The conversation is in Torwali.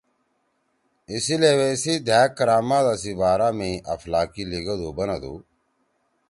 ایِسی لیویئی سی دھأک کرامت دا سی بارا می افلاکی لیِگَدُو بنَدُو!